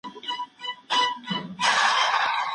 لاس لیکنه د زده کړي یوه طبیعي پروسه ده.